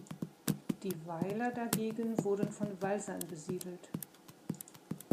Die Weiler dagegen wurden von Walsern besiedelt.